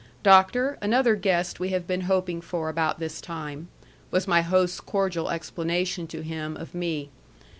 Doctor, another guest we have been hoping for about this time," was my host's cordial explanation to him of me.